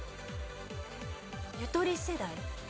ゆとり世代。